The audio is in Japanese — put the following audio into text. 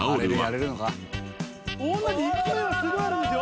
こんなに勢いがすごいあるんですよ。